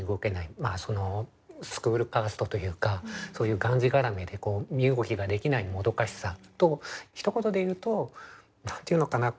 まあそのスクールカーストというかそういうがんじがらめで身動きができないもどかしさとひと言で言うと何て言うのかな